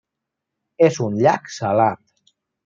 És un llac salat.